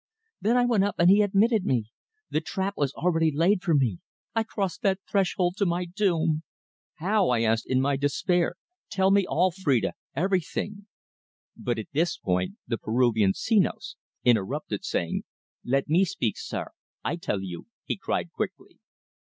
Then I went up, and he admitted me. The trap was already laid for me. I crossed that threshold to my doom!" "How?" I asked in my despair. "Tell me all, Phrida, everything!" But at this point the Peruvian, Senos, interrupted, saying: "Let me speak, sare. I tell you," he cried quickly.